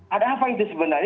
ada apa itu sebenarnya